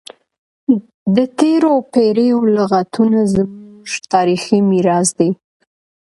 د تیرو پیړیو لغتونه زموږ تاریخي میراث دی.